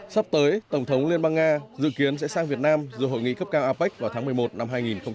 sắp tới tổng thống liên bang nga dự kiến sẽ sang việt nam rồi hội nghị cấp cao apec vào tháng một mươi một năm hai nghìn hai mươi